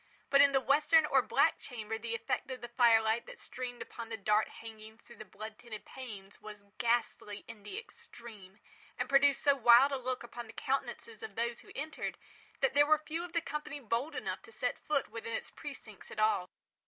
But in the western or black chamber the effect of the fire light that streamed upon the dark hangings through the blood tinted panes, was ghastly in the extreme, and produced so wild a look upon the countenances of those who entered, that there were few of the company bold enough to set foot within its precincts at all.